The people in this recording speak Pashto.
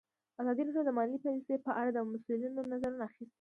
ازادي راډیو د مالي پالیسي په اړه د مسؤلینو نظرونه اخیستي.